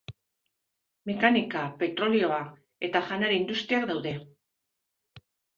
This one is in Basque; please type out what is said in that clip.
Mekanika, petrolioa eta janari industriak daude.